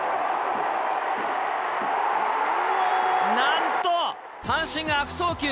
なんと、阪神が悪送球。